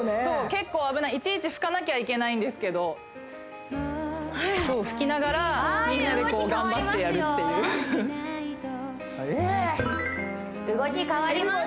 結構危ないいちいち拭かなきゃいけないんですけど拭きながらみんなで頑張ってやるっていう動き変わります